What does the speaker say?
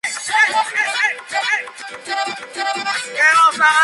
Se reconocen básicamente dos tipos de bancos de semillas: transitorio y persistente.